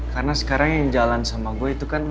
karena sekarang yang jalan sama gue itu kan lo